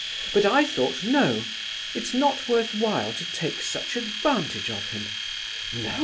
But I thought, no! it's not worthwhile to take such advantage of him. No!